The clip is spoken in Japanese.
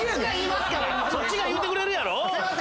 そっちが言うてくれるやろ？